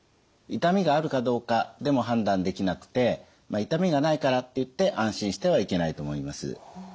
痛みがあるかどうかでも判断できなくて痛みがないからっていって安心してはいけないと思います。